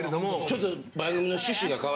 ちょっと。